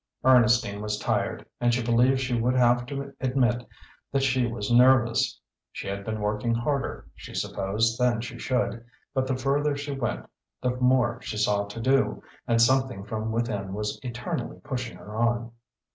Ernestine was tired, and she believed she would have to admit that she was nervous. She had been working harder, she supposed, than she should, but the further she went the more she saw to do, and something from within was eternally pushing her on.